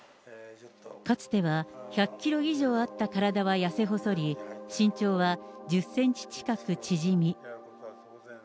かつては１００キロ以上あった体は痩せ細り、身長は１０センチ近く縮み。